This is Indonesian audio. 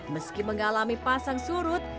meski mengalami pasang surut